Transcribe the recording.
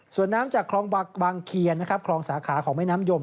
ส่วนน้ำจากคลองบังเคียนคลองสาขาของมะยนต์น้ำยม